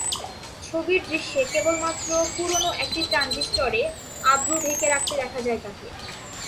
ছবির দৃশ্যে কেবলমাত্র পুরোনো একটি ট্রানজিস্টরে আবরু ঢেকে রাখতে দেখা যায় তাঁকে।